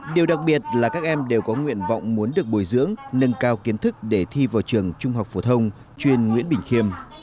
điều đặc biệt là các em đều có nguyện vọng muốn được bồi dưỡng nâng cao kiến thức để thi vào trường trung học phổ thông chuyên nguyễn bình khiêm